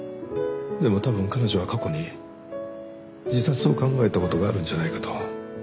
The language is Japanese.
でも多分彼女は過去に自殺を考えた事があるんじゃないかと。